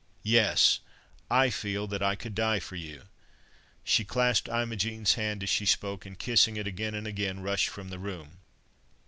"Yes! I feel that I could die for you"—she clasped Imogen's hand as she spoke, and kissing it again and again, rushed from the room.